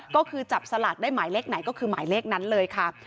ก็คือจับสลากได้หมายเลขไหนก็คือหมายเลขนั้นเลยค่ะ